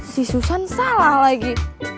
si susan salah lagi